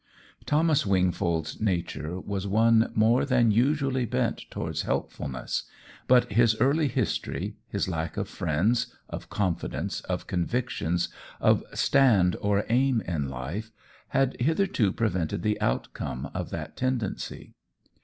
Thomas Wingfold's nature was one more than usually bent towards helpfulness, but his early history, his lack of friends, of confidence, of convictions, of stand or aim in life, had hitherto prevented the outcome of that tendency.